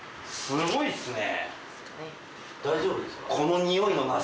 すごいっすね。